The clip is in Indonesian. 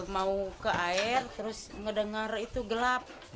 mau ke air terus ngedengar itu gelap